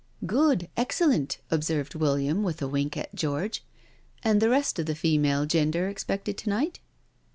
*' Good — excellent," observed William, with a wink at George. " And the rest of the female gender ex pected to night?'